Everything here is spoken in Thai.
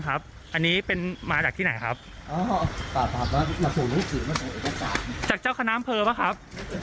ครับอันนี้เป็นมาจากที่ไหนครับจากเจ้าคณะพลว์ครับ